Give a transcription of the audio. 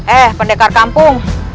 eh pendekar kampung